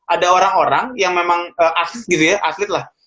ada orang orang yang memang asis gitu ya aslit lah